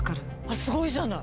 すごいじゃない！